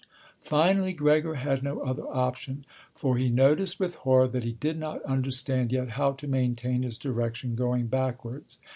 Finally Gregor had no other option, for he noticed with horror that he did not understand yet how to maintain his direction going backwards.